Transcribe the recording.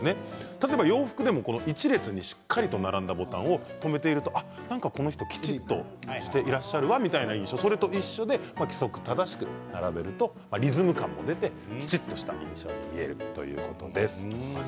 例えば洋服でも１列にしっかり並んだボタンを留めているとこの人はきちんとしていらっしゃるなという印象それと一緒で規則正しく並べるとリズム感も出て、きちんとした印象に見えるということです。